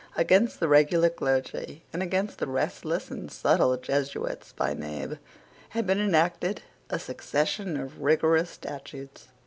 Against the regular clergy, and against the restless and subtle Jesuits by name, had been enacted a succession of rigorous statutes.